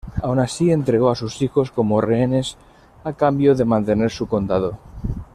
Aun así entregó a sus hijos como rehenes a cambio de mantener su condado.